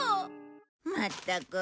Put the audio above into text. まったく。